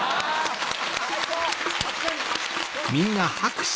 ・最高！